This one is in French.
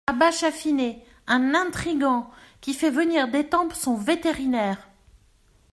À bas Chatfinet ! un intrigant… qui fait venir d’Etampes son vétérinaire !